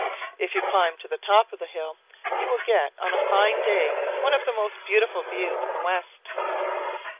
If you climb to the top of the hill you will get, on a fine day, one of the most beautiful views in the West.